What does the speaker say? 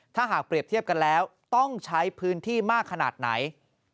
ถ้าหากเปรียบเทียบกันแล้วต้องใช้พื้นที่มากขนาดไหน